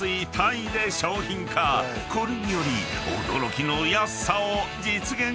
［これにより］